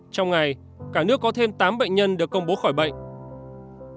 trong ngày cả nước có thêm tám bệnh nhân được công bố khỏi bệnh